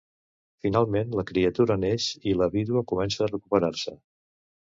Finalment, la criatura neix i la vídua comença a recuperar-se.